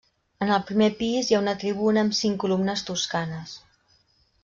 En el primer pis, hi ha una tribuna amb cinc columnes toscanes.